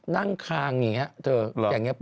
นั่งคางแบบงี้